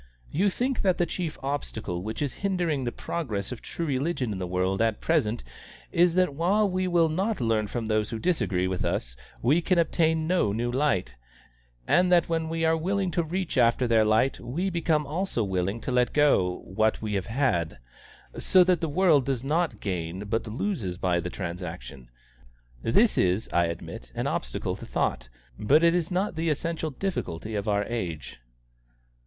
"You think that the chief obstacle which is hindering the progress of true religion in the world at present is that while we will not learn from those who disagree with us we can obtain no new light, and that when we are willing to reach after their light we become also willing to let go what we have had, so that the world does not gain but loses by the transaction. This is, I admit, an obstacle to thought; but it is not the essential difficulty of our age."